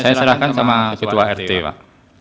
saya serahkan sama ketua rt pak